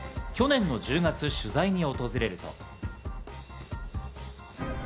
去年の１０月、取材に訪れると。